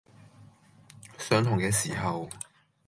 上堂嘅時候